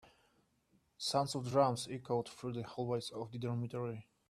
Sounds of drums echoed through the hallways of the dormitory.